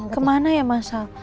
kemana ya masalah